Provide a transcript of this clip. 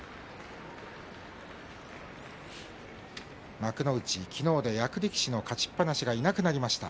幕内、昨日で役力士の勝ちっぱなしがいなくなりました。